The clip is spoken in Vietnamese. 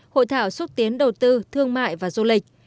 hội thảo xúc tiến đầu tư thương mại và du lịch